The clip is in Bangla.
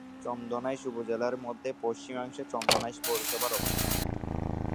চন্দনাইশ উপজেলার মধ্য-পশ্চিমাংশে চন্দনাইশ পৌরসভার অবস্থান।